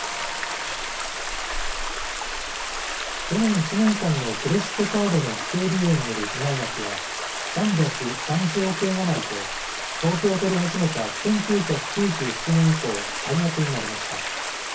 去年１年間のクレジットカードの不正利用による被害額は３３０億円余りと、統計を取り始めた１９９７年以降、最悪になりました。